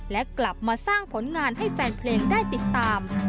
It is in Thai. และกลับมาสร้างผลงานให้แฟนเพลงได้ติดตาม